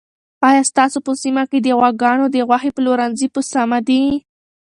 آیا ستاسو په سیمه کې د غواګانو د غوښې پلورنځي په سمه دي؟